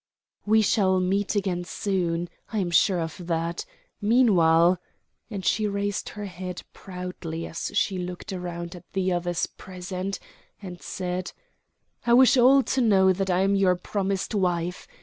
"We shall meet again soon. I am sure of that. Meanwhile" and she raised her head proudly as she looked round at the others present, and said: "I wish all to know that I am your promised wife.